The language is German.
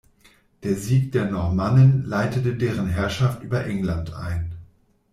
Der Sieg der Normannen leitete deren Herrschaft über England ein.